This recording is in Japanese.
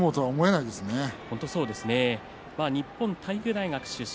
日本体育大学出身。